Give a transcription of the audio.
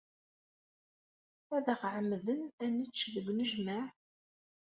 Ad aɣ-ɛemmden ad nečč deg unejmaɛ?